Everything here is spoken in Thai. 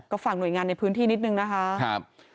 ฝากหน่วยงานในพื้นที่นิดนึงนะคะ